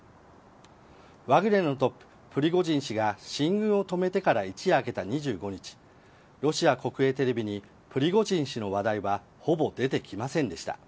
ワグネルのトッププリゴジン氏が進軍を止めてから一夜明けた２５日ロシア国営テレビにプリゴジン氏の話題はほとんど出てきませんでした。